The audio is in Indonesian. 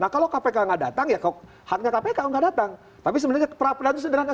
prosesnya sudah selesai